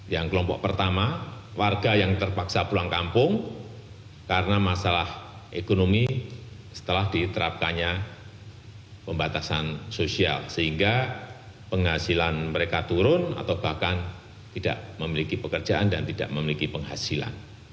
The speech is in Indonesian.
yang kelompok pertama warga yang terpaksa pulang kampung karena masalah ekonomi setelah diterapkannya pembatasan sosial sehingga penghasilan mereka turun atau bahkan tidak memiliki pekerjaan dan tidak memiliki penghasilan